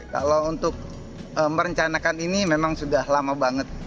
kalau untuk merencanakan ini memang sudah lama banget